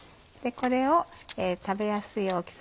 これを食べやすい大きさ。